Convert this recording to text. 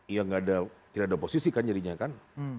ya nggak ada tidak ada posisi kan jadinya kan